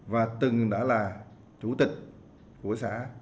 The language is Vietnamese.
và từng đã là chủ tịch của xã